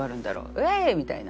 ウエーイ！みたいな。